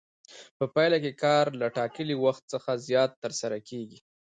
په پایله کې کار له ټاکلي وخت څخه زیات ترسره کېږي